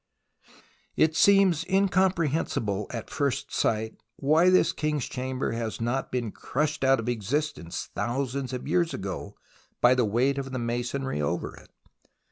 It seems incomprehensible at first sight why this King's Chamber has not been crushed out of exist ence thousands of years ago by the weight of the masonry over it.